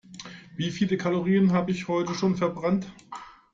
Wie viele Kalorien habe ich heute schon verbrannt?